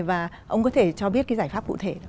và ông có thể cho biết cái giải pháp cụ thể